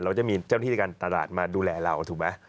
ก็จะมีเจ้าหน้าที่ในการตลาดมาดูแลเราถูกไหม